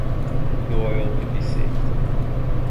No oil could be saved.